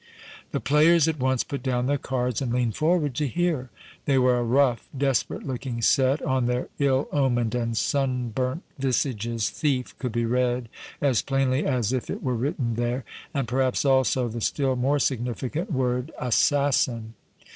The players at once put down their cards and leaned forward to hear. They were a rough, desperate looking set; on their ill omened and sunburnt visages thief could be read as plainly as if it were written there, and perhaps, also, the still more significant word, assassin!